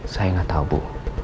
saya gak tahu bu